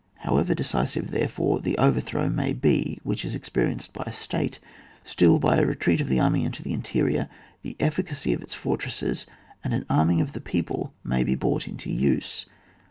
However decisive, therefore, the over throw may be which is experienced by a State, still by a retreat of the army into the interior, the efficacy of its fortresses and an arming of the people may be brought into use.